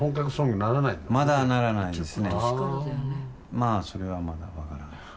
まあそれはまだ分からない。